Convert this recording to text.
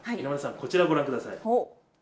こちらをご覧ください。